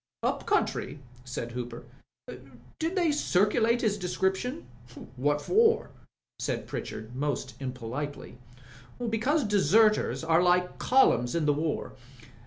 "Up country?" said Hooper. "Did they circulate his description?" " What for ?" said Pritchard, most impolitely. "Because deserters are like columns in the war.